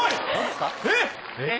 えっ！？